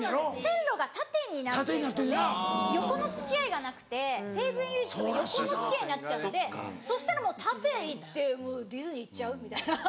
線路が縦になってるので横の付き合いがなくて西武園ゆうえんちとか横の付き合いになっちゃうのでそしたらもう縦行ってディズニー行っちゃう？みたいな。